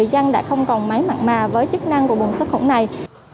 đã không còn máy mạng mà với chức năng của bùng sát quận này